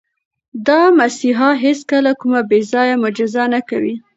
دا مسیحا هیڅکله کومه بې ځایه معجزه نه کوي.